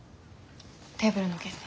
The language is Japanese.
テーブルの件で。